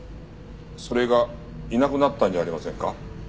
それがいなくなったんじゃありませんか？